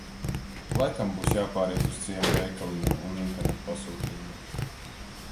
Laikam būs jāpāriet uz ciema veikaliņu un internetpasūtījumiem.